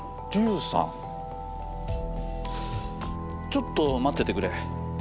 ちょっと待っててくれ。